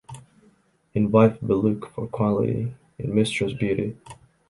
In wife we look for quality in mistress beauty.